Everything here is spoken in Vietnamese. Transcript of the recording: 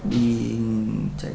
đi chạy trốn